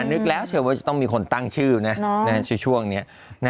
นึกแล้วเชื่อว่าจะต้องมีคนตั้งชื่อนะช่วงนี้